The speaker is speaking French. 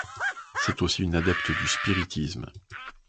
C'est aussi une adepte du spiritisme.